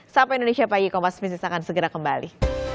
sampai indonesia pagi kompas fisik akan segera kembali